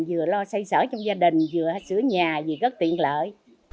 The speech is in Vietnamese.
vừa lo xây sở trong gia đình vừa sửa nhà vừa góp tiền lợi